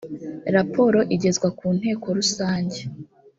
raporo igezwa ku nteko rusange